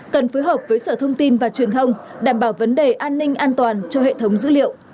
cần phối hợp với sở thông tin và truyền thông đảm bảo vấn đề an ninh an toàn cho hệ thống dữ liệu